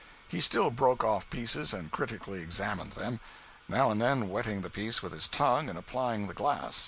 He still broke off pieces and critically examined them, now and then wetting the piece with his tongue and applying the glass.